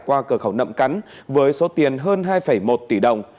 qua cửa khẩu nậm cắn với số tiền hơn hai một tỷ đồng